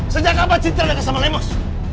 sejak kapan citra kenal sama lemus